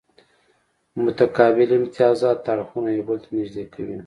متقابل امتیازات اړخونه یو بل ته نږدې کوي